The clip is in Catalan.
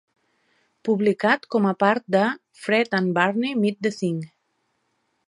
Publicat com a part de "Fred and Barney Meet The Thing"